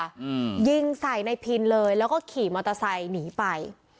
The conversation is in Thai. อืมยิงใส่ในพินเลยแล้วก็ขี่มอเตอร์ไซค์หนีไป